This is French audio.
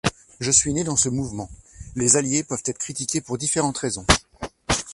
Je suis né dans ce mouvement. Les alliés peuvent être critiqués pour différentes raisons.